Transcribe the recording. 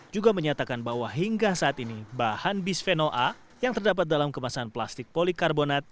juga menyatakan bahwa hingga saat ini bahan bisphenol a yang terdapat dalam kemasan plastik polikarbonat